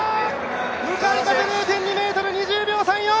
向かい風０．２メートル２０秒３４！